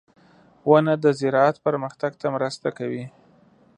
• ونه د زراعت پرمختګ ته مرسته کوي.